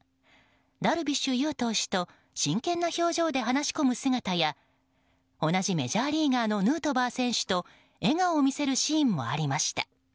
ダルビッシュ有投手と真剣な表情で話し込む姿や同じメジャーリーガーのヌートバー選手と笑顔を見せるシーンもありました。